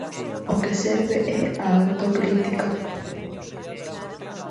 O que serve é a autocrítica.